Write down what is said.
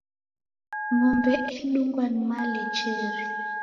Ng'ombe edungwa ni malecheri.